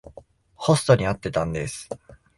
ホストに会ってたんです。